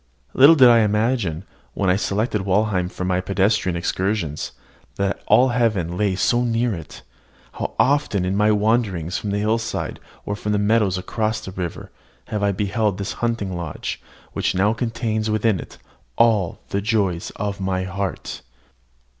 Little did I imagine, when I selected Walheim for my pedestrian excursions, that all heaven lay so near it. How often in my wanderings from the hillside or from the meadows across the river, have I beheld this hunting lodge, which now contains within it all the joy of my heart!